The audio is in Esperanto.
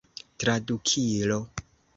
tradukilo